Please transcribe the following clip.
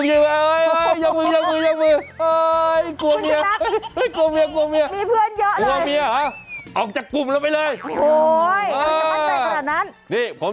ใช้เมียได้ตลอด